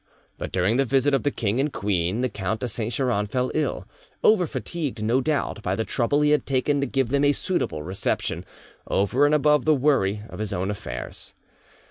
But during the visit of the king and queen the Count de Saint Geran fell ill, over fatigued, no doubt, by the trouble he had taken to give them a suitable reception, over and above the worry of his own affairs.